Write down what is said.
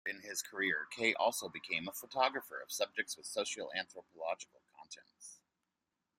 Later in his career Kay also became a photographer of subjects with socio-anthropological contents.